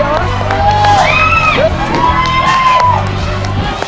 เร็วเร็วเร็ว